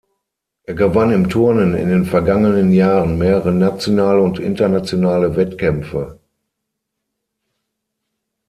Er gewann im Turnen in den vergangenen Jahren mehrere nationale und internationale Wettkämpfe.